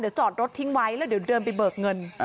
เดี๋ยวจอดรถทิ้งไว้แล้วเดี๋ยวเดินไปเบิกเงิน